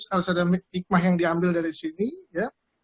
harus ada hikmah yang diambil dari sini ya